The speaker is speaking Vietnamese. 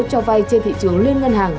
cho vai trên thị trường liên ngân hàng